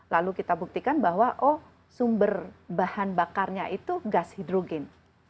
lalu kita buktikan bahwa oh sumber bahan bakarnya itu gas hidrogen